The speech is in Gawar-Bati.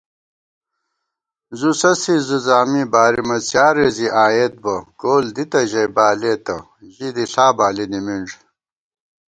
زُوسسِی زُوزامی، بارِمہ څیارےزِی آئیېت بہ * کول دِتہ ژَئی بالېتہ، ژی دِݪا بالی نِمِنݮ